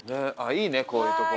いいねこういうとこ。